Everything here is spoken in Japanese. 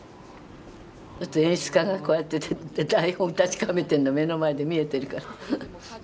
だって演出家がこうやって台本確かめてるの目の前で見えてるから。